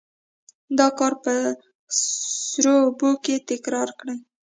دا کار په سړو اوبو کې تکرار کړئ.